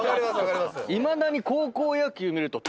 いまだに。